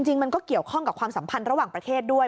มันก็เกี่ยวข้องกับความสัมพันธ์ระหว่างประเทศด้วย